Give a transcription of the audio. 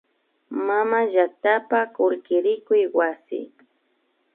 Mamallaktapa kullki rikuy wasi